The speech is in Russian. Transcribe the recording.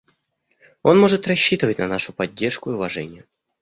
Он может рассчитывать на нашу поддержку и уважение.